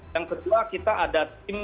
yang kedua kita ada tim